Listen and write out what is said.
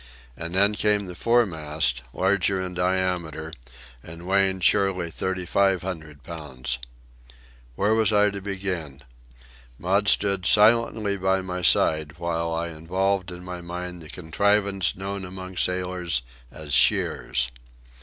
And then came the foremast, larger in diameter, and weighing surely thirty five hundred pounds. Where was I to begin? Maud stood silently by my side, while I evolved in my mind the contrivance known among sailors as "shears."